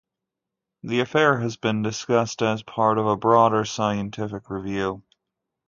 The affair has been discussed as part of a broader scientific review.